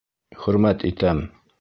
Хөрмәт итәм.